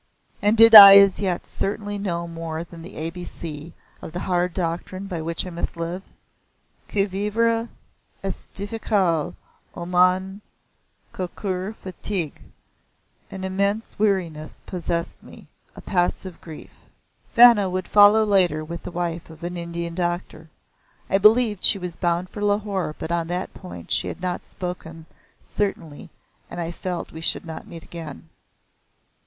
And did I as yet certainly know more than the A B C of the hard doctrine by which I must live? "Que vivre est difficile, O mon cocur fatigue!" an immense weariness possessed me a passive grief. Vanna would follow later with the wife of an Indian doctor. I believed she was bound for Lahore but on that point she had not spoken certainly and I felt we should not meet again.